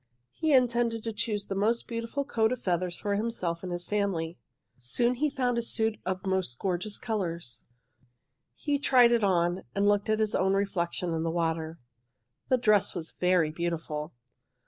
He intended to choose the most beautiful coat of feathers for himself and his family. "'Soon he found a suit of most gorgeous colours. He tried it on, and looked at his own reflection in the water. The dress was very beautiful.